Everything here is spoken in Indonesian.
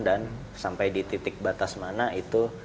dan sampai di titik batas mana itu